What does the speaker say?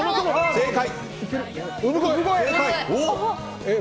正解。